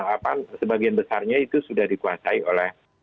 apa sebagian besarnya itu sudah dikuasai oleh